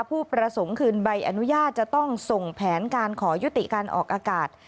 ผู้ประสงค์คืนใบอนุญาตจะต้องส่งแผนการขอยุติการออกอากาศ